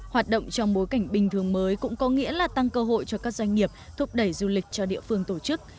hoạt động trong bối cảnh bình thường mới cũng có nghĩa là tăng cơ hội cho các doanh nghiệp thúc đẩy du lịch cho địa phương tổ chức